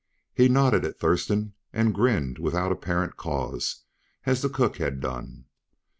He nodded at Thurston and grinned without apparent cause, as the cook had done.